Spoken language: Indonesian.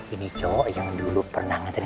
ini cowok yang dulu pernah ngetik ini